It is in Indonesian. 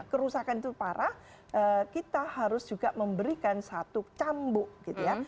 kerusakan itu parah kita harus juga memberikan satu cambuk gitu ya